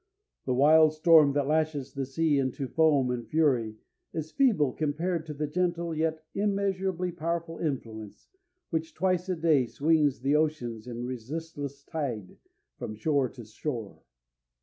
The wild storm that lashes the sea into foam and fury is feeble compared to the gentle, yet immeasurably powerful influence, which twice a day swings the oceans in resistless tides from shore to shore.